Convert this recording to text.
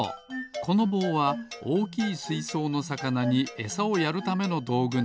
このぼうはおおきいすいそうのさかなにエサをやるためのどうぐなのです。